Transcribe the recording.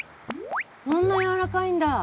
こんなやわらかいんだ。